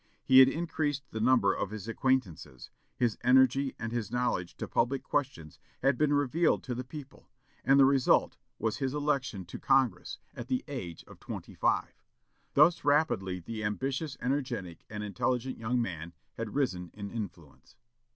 He had increased the number of his acquaintances. His energy and his knowledge of public questions had been revealed to the people; and the result was his election to Congress, at the age of twenty five. Thus rapidly the ambitious, energetic, and intelligent young man had risen in influence.